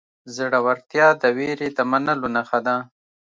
زړورتیا د وېرې د منلو نښه ده.